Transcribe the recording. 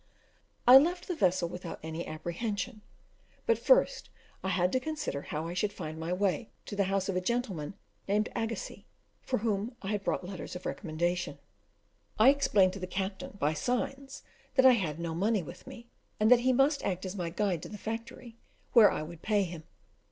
I left the vessel without any apprehension; but first, I had to consider how I should find my way to the house of a gentleman named Agassiz, for whom I had brought letters of recommendation. I explained to the captain, by signs, that I had no money with me, and that he must act as my guide to the factory, where I would pay him.